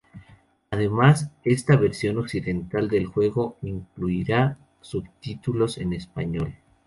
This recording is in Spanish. Además, esta versión occidental del juego incluirá subtítulos en español.